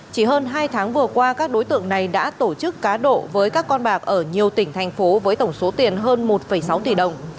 chỉ hơn hai tháng vừa qua các đối tượng này đã tổ chức cá độ với các con bạc ở nhiều tỉnh thành phố với tổng số tiền hơn một sáu tỷ đồng